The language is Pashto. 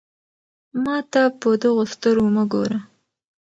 ما ته په دغو سترګو مه ګوره.